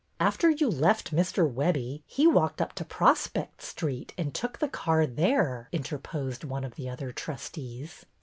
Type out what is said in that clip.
After you left Mr. Webbie he walked up to Prospect Street and took the car there," inter posed one of the other trustees.